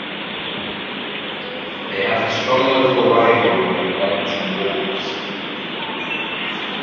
They have a strong local rivalry with Warrington Wolves.